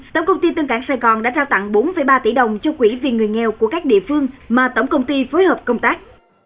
tổng công ty tân cảng sài gòn đã trao tặng bốn ba tỷ đồng cho quỹ vì người nghèo của các địa phương mà tổng công ty phối hợp công tác